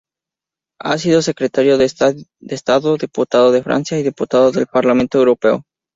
Ha sido secretario de estado, diputado de Francia y diputado del Parlamento Europeo.